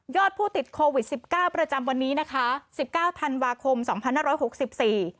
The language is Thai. ผู้ติดโควิดสิบเก้าประจำวันนี้นะคะสิบเก้าธันวาคมสองพันห้าร้อยหกสิบสี่